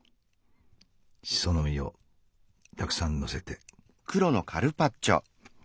しその実をたくさんのせて。